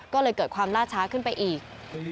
ก็เลยเกิดความล่าช้าขึ้นไปอีก